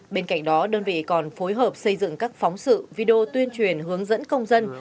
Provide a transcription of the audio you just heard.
bên cạnh đó đơn vị còn phối hợp xây dựng các phóng sự video tuyên truyền hướng dẫn công dân